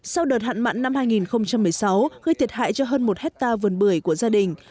sau đợt hạn mặn năm hai nghìn một mươi sáu gây thiệt hại cho hơn một hectare vườn bưởi của gia đình